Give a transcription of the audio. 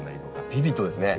ビビッドですね。